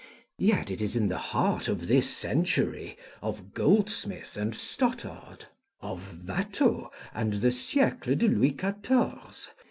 Yet, it is in the heart of this century, of Goldsmith and Stothard, of Watteau and the Siècle de Louis XIV.